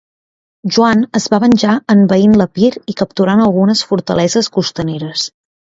Joan es va venjar envaint l'Epir i capturant algunes fortaleses costaneres.